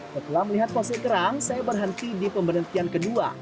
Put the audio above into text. setelah melihat fosil kerang saya berhenti di pemberhentian kedua